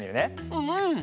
うん。